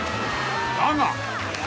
［だが］